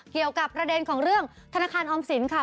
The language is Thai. เกี่ยวกับประเด็นของเรื่องธนาคารออมสินค่ะ